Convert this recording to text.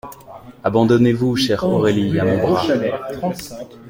Abandonnez-vous, chère Aurélie, à mon bras.